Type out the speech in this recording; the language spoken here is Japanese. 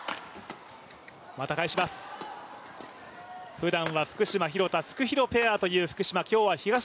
ふだんは福島・廣田フクヒロペアというペアを組んでいる福島